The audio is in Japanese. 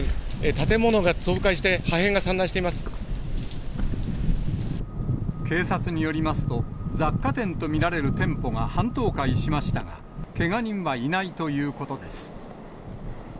建物が倒壊して、破片が散乱して警察によりますと、雑貨店と見られる店舗が半倒壊しましたが、けが人はいないということです。